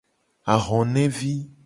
Ahonevi.